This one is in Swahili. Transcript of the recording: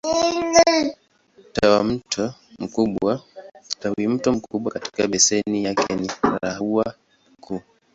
Tawimto mkubwa katika beseni yake ni Ruaha Mkuu.